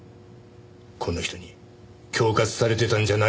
この人に恐喝されてたんじゃないのか？